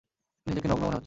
নিজেকে নগ্ন মনে হচ্ছে।